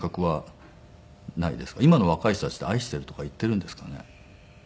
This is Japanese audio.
今の若い人たちって「愛してる」とか言ってるんですかね？